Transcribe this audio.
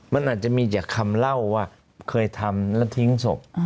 มันอาจจะมีจากคำเล่าว่าเคยทำแล้วทิ้งศพ